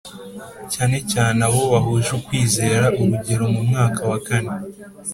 cyane cyane abo bahuje ukwizera Urugero mu mwaka wa kane